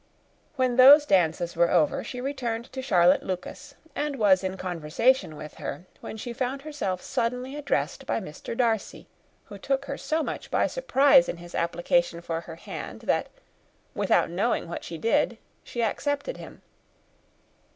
When those dances were over, she returned to Charlotte Lucas, and was in conversation with her, when she found herself suddenly addressed by Mr. Darcy, who took her so much by surprise in his application for her hand, that, without knowing what she did, she accepted him.